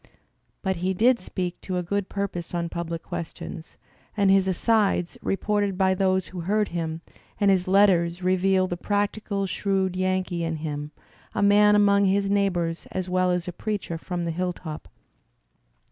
But he did speak to good purpose on public questions; and his asides, reported by those who heard him, and his letters reveal the practical shrewd Yankee in him, a man among his neighbours as well as a preacher from the hilltop.